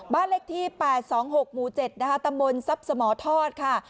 บ้านเล็กที่๘๒๖๗ตะมนต์ซับสะหมอทอดค่ะ